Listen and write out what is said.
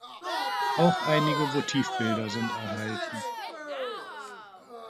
Auch einige Votivbilder sind erhalten.